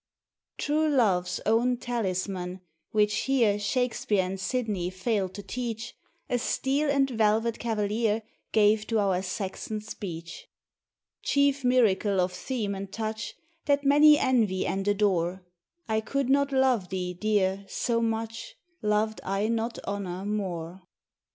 True love's own talisman, which here Shakespeare and Sidney failed to teach, A steel and velvet Cavalier Gave to our Saxon speech: Chief miracle of theme and touch That many envy and adore: I could not love thee, dear, so much, Loved I not Honour more.